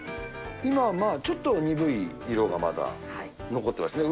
今はまあちょっと鈍い色がまだ残ってますね。